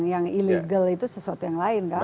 yang ilegal itu sesuatu yang lain kan